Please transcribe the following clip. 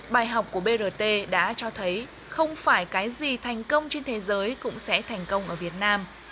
bài học của brt đã cho thấy không phải cái gì thành công trên thế giới cũng sẽ thành công ở việt nam